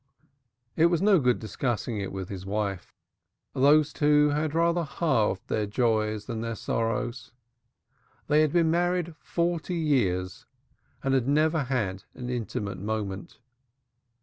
It was of no good discussing it with his wife. Those two had rather halved their joys than their sorrows. They had been married forty years and had never had an intimate moment.